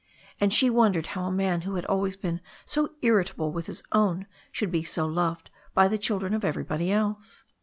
And she wondered how a man who had always been so irritable with his own should be so loved by the children of everybody else.